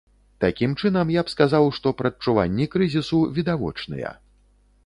Такім чынам, я б сказаў, што прадчуванні крызісу відавочныя.